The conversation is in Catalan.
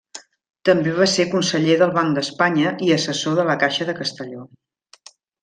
També va ser conseller del Banc d'Espanya i assessor de la Caixa de Castelló.